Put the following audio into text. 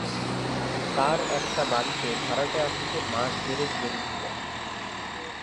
তার একটা বাড়িতে ভাড়াটে আসিতে মাস-দেড়েক দেরি ছিল।